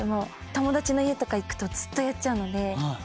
友達の家とか行くとずっとやっちゃうので。